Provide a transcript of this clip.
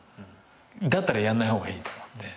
だったらやんない方がいいと思って。